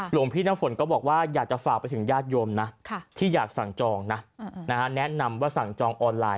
หลวงพี่นฝนก็บอกว่าอยากจะฝากไปถึงยาชโยมนะแนะนำที่อยากสั่งจองว่าสั่งจองออนไลน์ไม่ต้องเดินทางมา